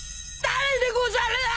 誰でござる！？